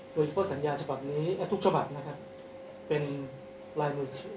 โดยเฉพาะสัญญาชบัตรนี้ทุกชบัตรเป็นรายมือของครูเอง